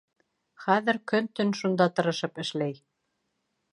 Хәҙер көн-төн шунда тырышып эшләй.